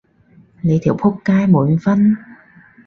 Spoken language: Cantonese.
你條僕街滿分？